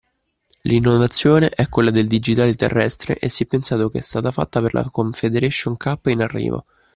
L' innovazione è quella del digitale terrestre e si è pensato che è stata fatta per la Confederation Cup in arrivo